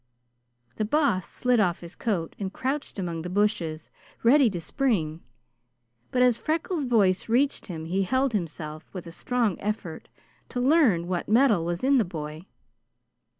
The Boss slid off his coat and crouched among the bushes, ready to spring; but as Freckles' voice reached him he held himself, with a strong effort, to learn what mettle was in the boy.